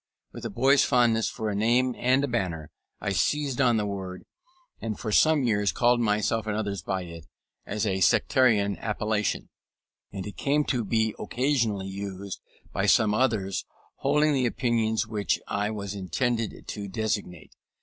With a boy's fondness for a name and a banner I seized on the word, and for some years called myself and others by it as a sectarian appellation; and it came to be occasionally used by some others holding the opinions which it was intended to designate.